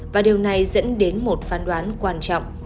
và điều này dẫn đến một phán đoán quan trọng